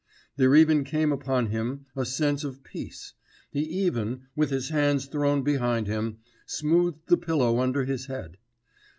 There even came upon him a sense of peace; he even, with his hands thrown behind him, smoothed the pillow under his head.